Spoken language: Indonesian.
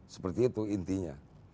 seperti itu intinya